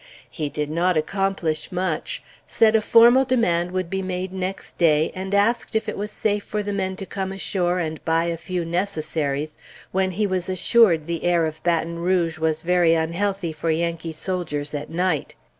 He did not accomplish much; said a formal demand would be made next day, and asked if it was safe for the men to come ashore and buy a few necessaries, when he was assured the air of Baton Rouge was very unhealthy for Yankee soldiers at night.